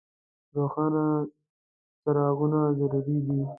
روښانه څراغونه ضروري دي.